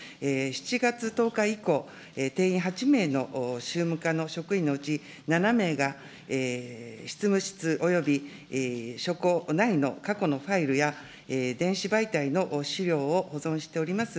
７月１０日以降、定員８名の宗務課の職員のうち７名が執務室および書庫内の過去のファイルや電子媒体の資料を保存しております